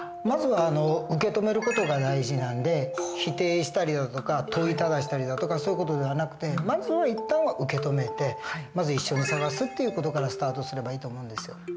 まずは受け止める事が大事なんで否定したりだとか問いただしたりだとかそういう事ではなくてまずは一旦は受け止めてまず一緒に捜すという事からスタートすればいいと思うんですよ。